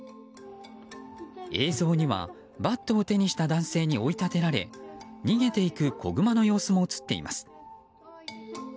映像にはバットを手にした男性に追い立てられ逃げていく子グマの様子も映っています。